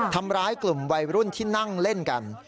ทำร้ายกลุ่มวัยรุ่นที่นั่งเล่นกัน